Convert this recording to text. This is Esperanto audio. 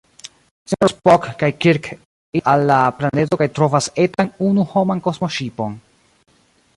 Sinjoro Spock kaj Kirk iras al la planedo kaj trovas etan unu-homan kosmoŝipon.